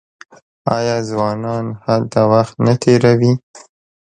آیا ځوانان هلته وخت نه تیروي؟